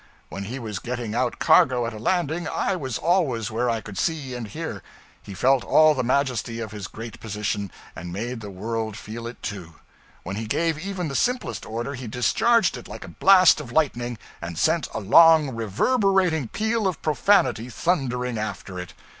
When he was getting out cargo at a landing, I was always where I could see and hear. He felt all the majesty of his great position, and made the world feel it, too. When he gave even the simplest order, he discharged it like a blast of lightning, and sent a long, reverberating peal of profanity thundering after it.